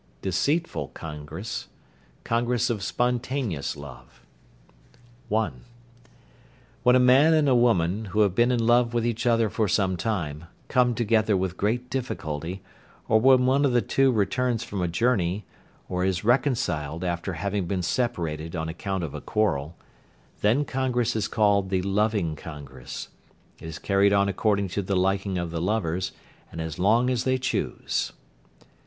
Deceitful congress. Congress of spontaneous love. (1). When a man and a woman, who have been in love with each other for some time, come together with great difficulty, or when one of the two returns from a journey, or is reconciled after having been separated on account of a quarrel, then congress is called the "loving congress." It is carried on according to the liking of the lovers, and as long as they choose.